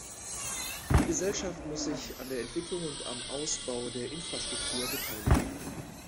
Die Gesellschaft muss sich an der Entwicklung und am Ausbau der Infrastruktur beteiligen.